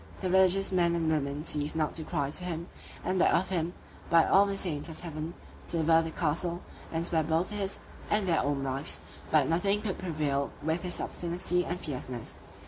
The religious men and women ceased not to cry to him, and beg of him, by all the saints of heaven, to deliver the castle, and spare both his and their own lives; but nothing could prevail with his obstinacy and fierceness.